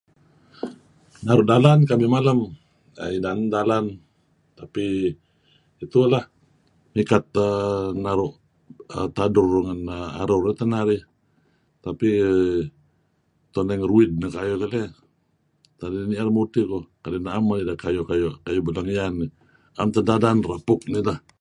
Naru' dalan kamih malem neh dalan-dalan tapi itu lah mikat teh naru' tadur ngen arur teh narih. Tapi tuen narih ngeruid neh kayuh dih keh, nier mudtih keh kadi' naem men kayuh-kayuh kayu' Belangian, naem teh dadan repuk neh ideh.